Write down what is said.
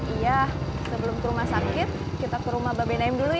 iya sebelum ke rumah sakit kita ke rumah bbm dulu ya